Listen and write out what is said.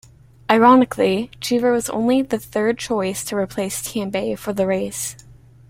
Ironically, Cheever was only the third choice to replace Tambay for the race.